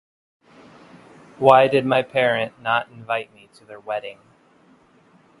Why did my parent not invite me to their wedding?